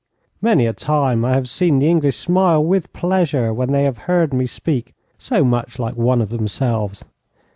Many a time I have seen the English smile with pleasure when they have heard me speak so much like one of themselves.